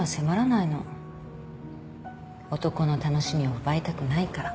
男の楽しみを奪いたくないから。